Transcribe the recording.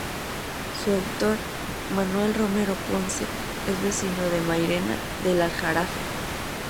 Su autor, Manuel Romero Ponce, es vecino de Mairena del Aljarafe.